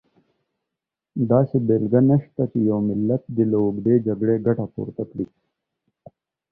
داسې بېلګه نشته چې یو ملت دې له اوږدې جګړې ګټه پورته کړي.